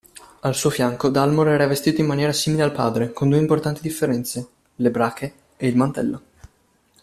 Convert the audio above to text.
Al suo fianco, Dalmor era vestito in maniera simile al padre, con due importanti differenze: le brache ed il mantello.